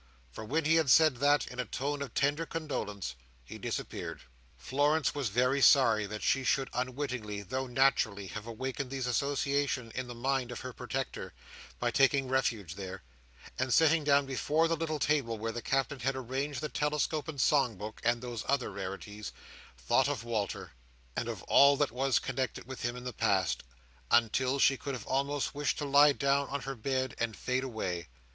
For when he had said that in a tone of tender condolence, he disappeared. Florence was very sorry that she should unwittingly, though naturally, have awakened these associations in the mind of her protector, by taking refuge there; and sitting down before the little table where the Captain had arranged the telescope and song book, and those other rarities, thought of Walter, and of all that was connected with him in the past, until she could have almost wished to lie down on her bed and fade away.